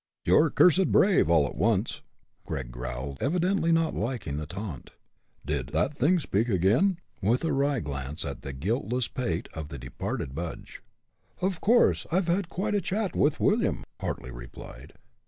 "You're cussed brave, all at once!" Gregg growled, evidently not liking the taunt. "Did that thing speak again?" with a wry glance at the guiltless pate of the departed Budge. "Of course. I've had quite a chat with William," Hartly replied.